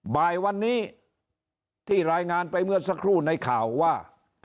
บ่ายวันนี้ที่รายงานไปเมื่อสักครู่ในข่าวว่า